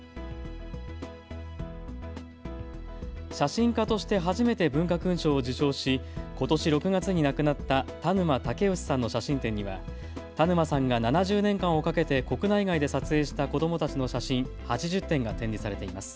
写真家として初めて文化勲章を受章し、ことし６月に亡くなった田沼武能さんの写真展には田沼さんが７０年間をかけて国内外で撮影した子どもたちの写真８０点が展示されています。